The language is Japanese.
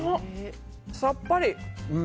さっぱり！